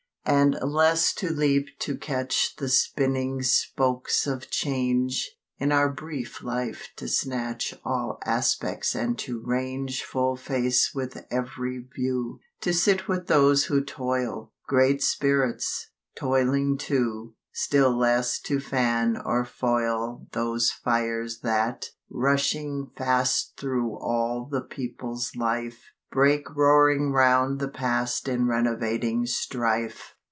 And less to leap to catch The spinning spokes of change; In our brief life to snatch All aspects and to range Full face with every view; To sit with those who toil, Great spirits, toiling too; Still less to fan or foil Those fires that, rushing fast Thro' all the people's life, Break roaring round the past In renovating strife.